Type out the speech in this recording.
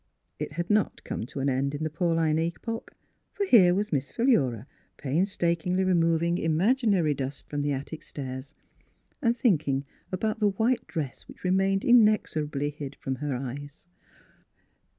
It had not come to an end in the Pauline epoch, for here was Miss Philura painstakingly removing imaginary dust from the attic stairs and thinking about the white dress which remained in exorably hid from her eyes.